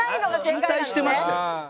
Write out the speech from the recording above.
引退してましたよ。